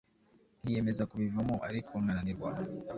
Nkiyemeza kubivamo ariko nkananirwa